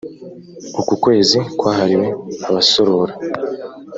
uku kwezi kwahariwe abasorora